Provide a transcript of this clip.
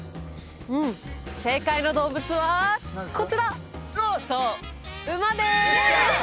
うん正解の動物はこちらそう「馬」です！